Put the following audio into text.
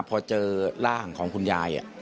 พอเจอร่างของคุณยาย